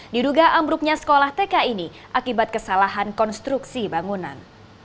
diduga ambruknya sekolah tk ini akibat kesalahan konstruksi bangunan